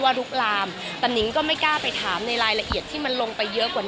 พบว่าดุรามภรรยาบแต่นิ๊กก็ไม่กล้าไปท้าในรายละเอียดที่มันลงไปเยอะกว่านี้